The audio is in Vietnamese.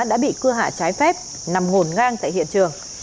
đã bị cưa hạ trái phép nằm ngổn ngang tại hiện trường